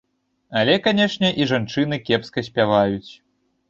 Але, канешне, і жанчыны кепска спяваюць.